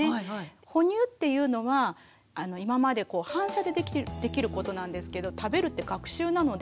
哺乳っていうのは今まで反射でできることなんですけど食べるって学習なのであっ